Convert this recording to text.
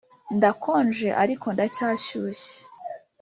ndakonje ariko ndacyashyushye.